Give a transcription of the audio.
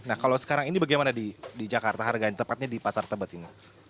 nah kalau sekarang ini bagaimana di jakarta harganya tepatnya di pasar tebet ini